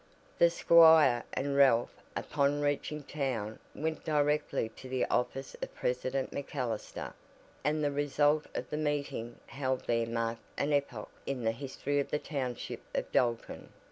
The squire and Ralph upon reaching town went directly to the office of President MacAllister, and the result of the meeting held there marked an epoch in the history of the township of Dalton.